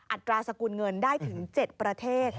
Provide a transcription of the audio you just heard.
อัตราสกุลเงินได้ถึง๗ประเทศ